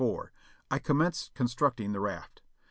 1864, I commenced constructing the raft.